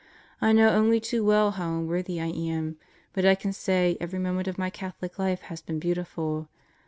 I know only too well how unworthy I am, but I can say every moment of my Catholic life has been beautiful.